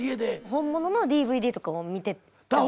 本物のＤＶＤとかを見てた方が。